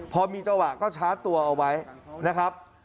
พอมีจังหวะก็ชาร์จตัวเอาไว้นะครับ